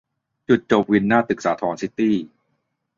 จุดจบวินหน้าตึกสาธรซิตี้